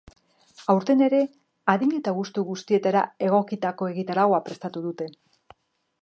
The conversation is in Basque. Aurten ere, adin eta gustu guztietara egokitako egitaraua prestatu dute.